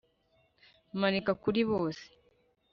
Manika kuri bose